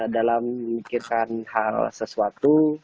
dalam memikirkan hal sesuatu